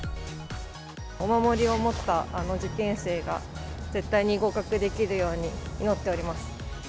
お守りを持った受験生が絶対に合格できるように祈っております。